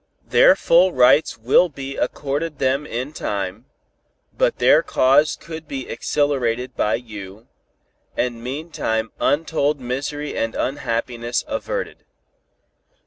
Their full rights will be accorded them in time, but their cause could be accelerated by you, and meanwhile untold misery and unhappiness averted.